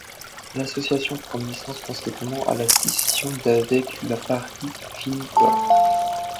L'association prend naissance conséquemment à la scission d'avec la Paris Film Coop.